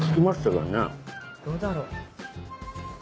うんどうだろう。